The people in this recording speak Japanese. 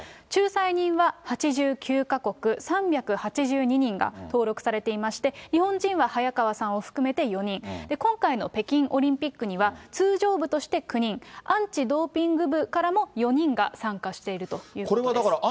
仲裁人は、８９か国３８２人が登録されていまして、日本人は早川さんを含めて４人、今回の北京オリンピックには通常部として９人、アンチドーピング部からも４人が参加しているということです。